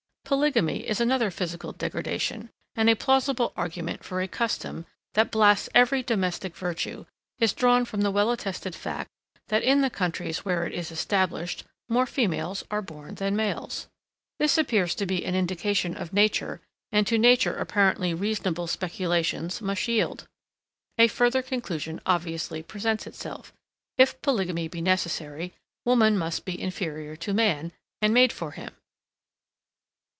Polygamy is another physical degradation; and a plausible argument for a custom, that blasts every domestic virtue, is drawn from the well attested fact, that in the countries where it is established, more females are born than males. This appears to be an indication of nature, and to nature apparently reasonable speculations must yield. A further conclusion obviously presents itself; if polygamy be necessary, woman must be inferior to man, and made for him.